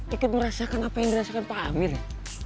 ikut merasakan apa yang dirasakan pak amir ya